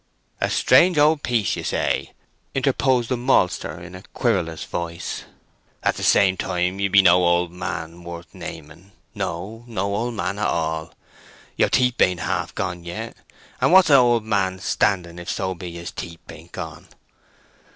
"A strange old piece, ye say!" interposed the maltster, in a querulous voice. "At the same time ye be no old man worth naming—no old man at all. Yer teeth bain't half gone yet; and what's a old man's standing if so be his teeth bain't gone?